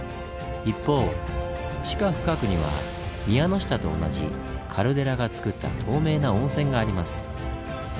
一方地下深くには宮ノ下と同じカルデラがつくった透明な温泉があります。